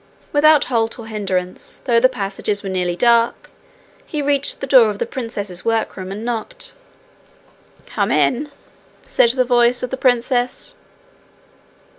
Without halt or hindrance, though the passages were nearly dark, he reached the door of the princess's workroom, and knocked. 'Come in,' said the voice of the princess.